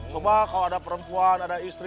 coba kalau ada perempuan ada istri